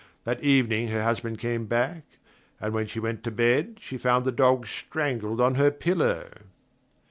That evening her husband came back, and when she went to bed she found the dog strangled on her pillow.